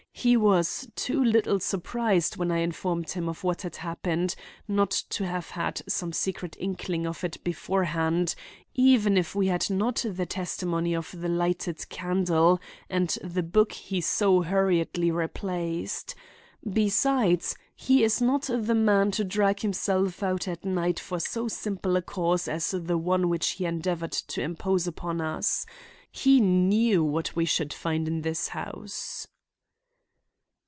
He was too little surprised when I informed him of what had happened not to have had some secret inkling of it beforehand, even if we had not the testimony of the lighted candle and the book he so hurriedly replaced. Besides, he is not the man to drag himself out at night for so simple a cause as the one with which he endeavored to impose upon us. He knew what we should find in this house."